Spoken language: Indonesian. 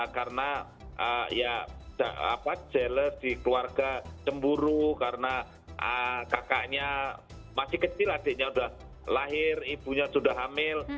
karena ya apa jealous di keluarga cemburu karena kakaknya masih kecil adiknya udah lahir ibunya sudah hamil